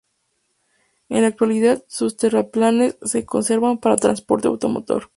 En la actualidad, sus terraplenes se conservan para transporte automotor.